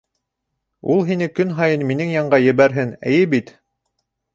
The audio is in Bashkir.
Ул һине көн һайын минең янға ебәрһен, эйе бит?